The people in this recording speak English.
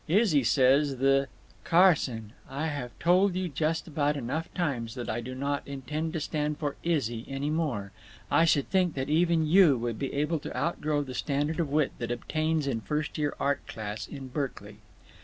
Izzy says th—" "Carson, I have told you just about enough times that I do not intend to stand for 'Izzy' any more! I should think that even you would be able to outgrow the standard of wit that obtains in first year art class at Berkeley."